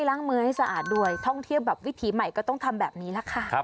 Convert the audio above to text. ล้างมือให้สะอาดด้วยท่องเที่ยวแบบวิถีใหม่ก็ต้องทำแบบนี้แหละค่ะ